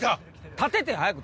立てて早く！